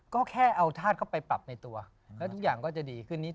ก็แค่เอาทัดก็ไปปรับในตัวแล้วทุกอย่างก็จะดีกลิ่นนี้